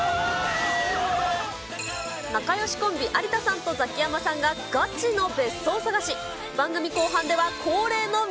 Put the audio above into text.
仲よしコンビ、有田さんとザキヤマさんがガチの別荘探し。